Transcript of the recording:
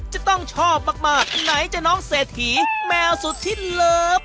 จะต้องชอบมากไหนจะน้องเศรษฐีแมวสุดที่เลิฟ